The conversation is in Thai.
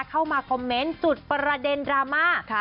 เข้ามาคอมเมนต์จุดประเด็นดราม่า